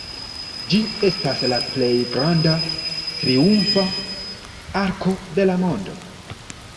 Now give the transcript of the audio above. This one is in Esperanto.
Ĝi estas la plej granda triumfa arko de la mondo.